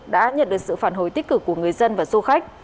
đã nhận được sự phản hồi tích cực của người dân và du khách